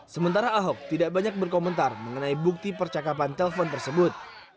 sementara ahok tidak banyak berkomentar mengenai bukti percakapan telpon tersebut